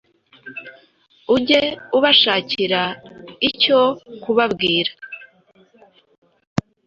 uge ubashakira icyo kubabwira